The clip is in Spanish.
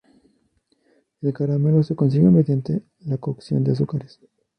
El caramelo se consigue mediante la cocción de azúcares.